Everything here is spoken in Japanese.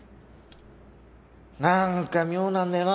なんか妙なんだよな